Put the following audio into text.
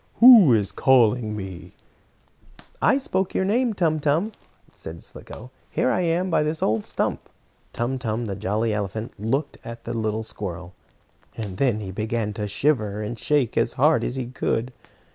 "Who is calling me?" "I spoke your name, Tum Tum," said Slicko. "Here I am, by this old stump." Tum Tum, the jolly elephant, looked at the little squirrel, and then he began to shiver and shake as hard as he could.